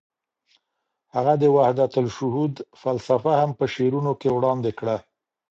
هغه د وحدت الشهود فلسفه هم په شعرونو کې وړاندې کړه.